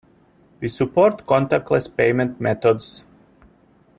We support contactless payment methods.